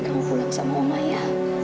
kamu pulang sama mama ya